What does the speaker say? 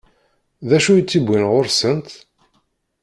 D acu i t-iwwin ɣur-sent?